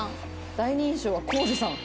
第二印象はコージさん。